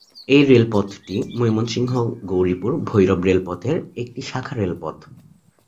এই রেলপথটি ময়মনসিংহ-গৌরীপুর-ভৈরব রেলপথের একটি শাখা রেলপথ।